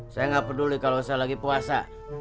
saya nggak peduli kalau saya lagi puasa